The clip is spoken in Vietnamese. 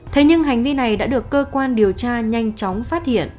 thế nhưng hành vi này đã được cơ quan điều tra nhanh chóng phát hiện